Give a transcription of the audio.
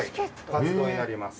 活動になります。